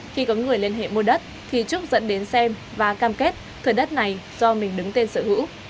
khi có người liên hệ mua đất thì trúc dẫn đến xem và cam kết thừa đất này do mình đứng tên sở hữu